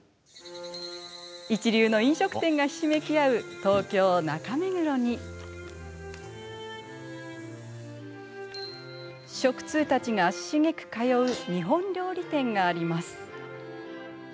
一流の飲食店がひしめき合う東京・中目黒に食通たちが足しげく通う日本料理店があります。